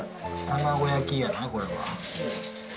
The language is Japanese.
卵焼きやな、これは。